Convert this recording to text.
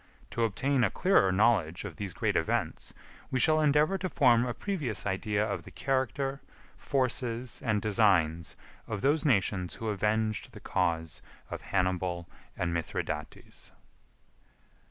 To obtain a clearer knowledge of these great events, we shall endeavor to form a previous idea of the character, forces, and designs of those nations who avenged the cause of Hannibal and Mithridates.